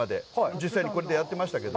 実際にこれでやってましたけど。